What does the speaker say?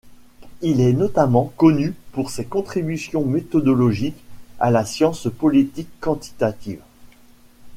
Il est notamment connu pour ses contributions méthodologiques à la science politique quantitative.